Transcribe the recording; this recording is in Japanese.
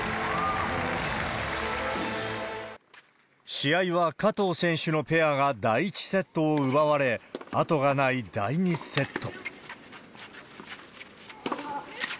試合は加藤選手のペアが第１セットを奪われ、あとがない第２セット。